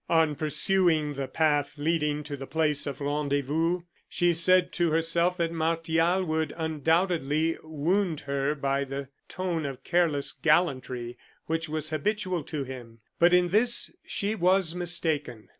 On pursuing the path leading to the place of rendezvous, she said to herself that Martial would undoubtedly wound her by the tone of careless gallantry which was habitual to him. But in this she was mistaken.